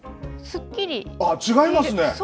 違いますね。